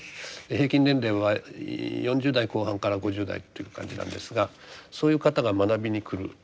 平均年齢は４０代後半から５０代という感じなんですがそういう方が学びに来る。